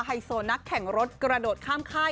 ไฮโซนักแข่งรถกระโดดข้ามค่าย